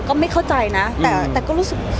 ก็ไม่เข้าใจนะแต่ก็รู้สึก